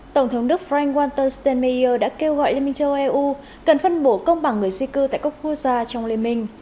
tổng thống đức frank walter stemmeier đã kêu gọi liên minh châu âu cần phân bổ công bằng người di cư tại các quốc gia trong liên minh